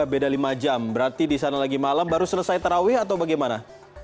beda lima jam berarti di sana lagi malam baru selesai terawih atau bagaimana